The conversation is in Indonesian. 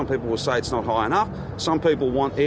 beberapa orang akan mengatakan ini tidak cukup tinggi